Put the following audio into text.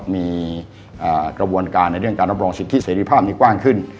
มีกระบวนการในเรื่องการรับรองสิทธิเสรีภาพนี้กว้างขึ้น